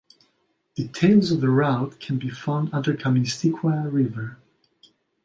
Details of the route can be found under Kaministiquia River.